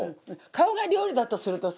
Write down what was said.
顔が料理だとするとさ